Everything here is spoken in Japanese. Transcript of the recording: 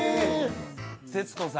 徹子さん